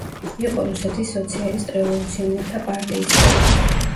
იყო რუსეთის სოციალისტ-რევოლუციონერთა პარტიის წევრი.